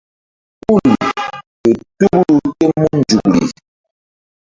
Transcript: Hul ƴo tukru tem mun nzukri.